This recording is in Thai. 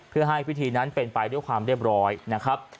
เพื่อให้พิธีนั้นเป็นไปด้วยความเรียบร้อยนะครับ